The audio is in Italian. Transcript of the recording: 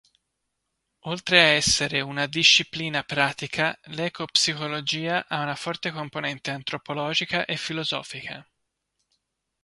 Oltre a essere una disciplina pratica, l'ecopsicologia ha una forte componente antropologica e filosofica.